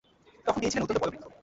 তখন তিনি ছিলেন অত্যন্ত বয়োবৃদ্ধ।